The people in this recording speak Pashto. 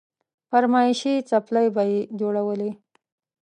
فرمايشي څپلۍ به يې جوړولې.